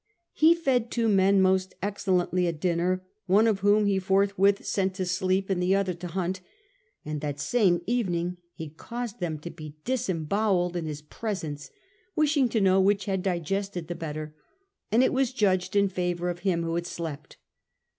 " He fed two men most excellently at dinner, one of whom he forthwith sent to sleep and the other to hunt ; and that same evening he caused them to be disembowelled in his presence ; wishing to know which had digested the better ; and it was judged in favour of him who had slept."